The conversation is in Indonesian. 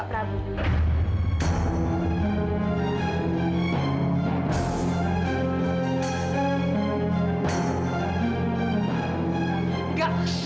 sama dengan putri saya